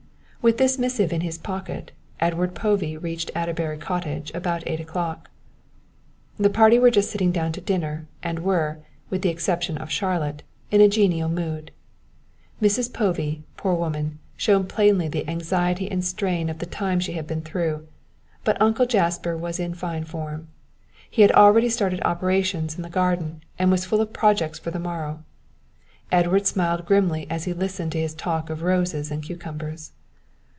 With this missive in his pocket, Edward Povey reached Adderbury Cottage about eight o'clock. The party were just sitting down to dinner, and were, with the exception of Charlotte, in a genial mood. Mrs. Povey, poor woman, showed plainly the anxiety and strain of the time she had been through, but Uncle Jasper was in fine form. He had already started operations on the garden, and was full of projects for the morrow. Edward smiled grimly as he listened to his talk of roses and cucumbers.